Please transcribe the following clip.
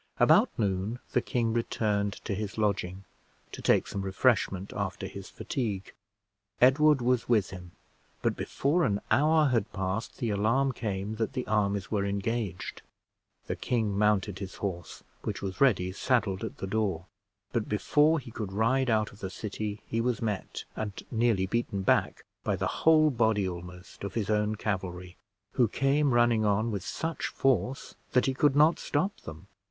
About noon the king returned to his lodging, to take some refreshment after his fatigue. Edward was with him; but before an hour had passed, the alarm came that the armies were engaged. The king mounted his horse, which was ready saddled at the door; but before he could ride out of the city, he was met and nearly beaten back by the whole body almost of his own cavalry, who came running on with such force that he could not stop them.